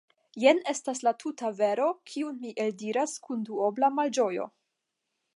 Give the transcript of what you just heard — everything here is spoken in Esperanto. Jen estas la tuta vero, kiun mi eldiras kun duobla malĝojo.